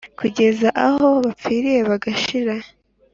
kugeza aho bapfiriye bagashira. “